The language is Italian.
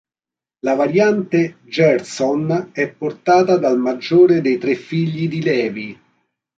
La variante "Gershon" è portata dal maggiore dei tre figli di Levi.